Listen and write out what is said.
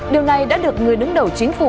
điều này đã được người đứng đầu chính phủ